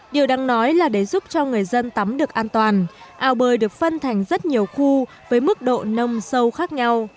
điều đáng nói là để giúp cho người dân tắm được an toàn ao bơi được phân thành rất nhiều khu với mức độ nông sâu khác nhau